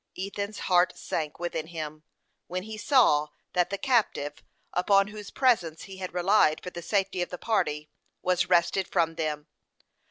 Ethan's heart sank within him, when he saw that the captive, upon whose presence he had relied for the safety of the party, was wrested from them.